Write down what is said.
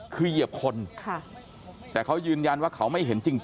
คือเหยียบคนแต่เขายืนยันว่าเขาไม่เห็นจริง